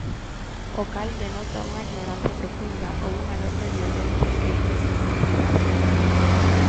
O cal denota unha ignorancia profunda ou unha enorme violencia e insensibilidade verbal.